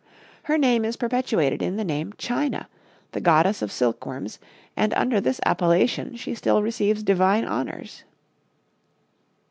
Her name is perpetuated in the name China, the goddess of silkworms, and under this appellation she still receives divine honors.